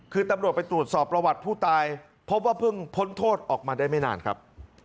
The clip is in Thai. คือตำรวจไปตรวจสอบประวัติผู้ตายพบว่าเพิ่งพ้นโทษออกมาได้ไม่นานครับ